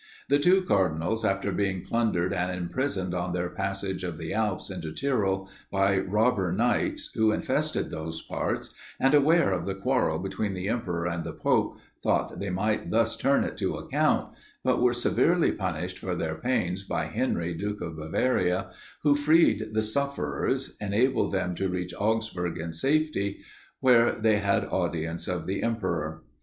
The two cardinals, after being plundered and imprisoned on their passage of the Alps, into Tyrol, by robber knights, who infested those parts, and, aware of the quarrel between the emperor and the pope, thought they might thus turn it to account; but were severely punished for their pains by Henry, duke of Bavaria, who freed the sufferers; enabled them to reach Augsburg in safety; where they had audience of the emperor.